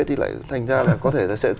thì lại thành ra là có thể là sẽ